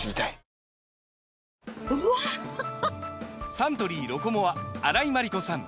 サントリー「ロコモア」荒井眞理子さん